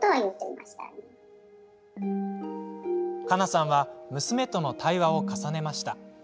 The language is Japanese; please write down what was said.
かなさんは、娘との対話を重ねました。